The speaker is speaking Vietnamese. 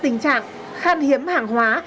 trong tình trạng khan hiếm hàng hóa